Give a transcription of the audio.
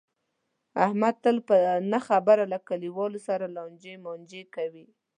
احمد تل په نه خبره له کلیواو سره لانجې مانجې کوي.